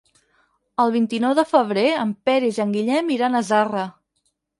El vint-i-nou de febrer en Peris i en Guillem iran a Zarra.